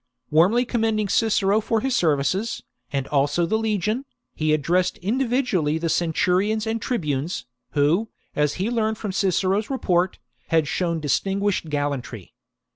Warmly commending Cicero for his services, and also the legion, he addressed individually the centurions and tribunes, who, as he learned from Cicero's report, had shown distinguished gallantry.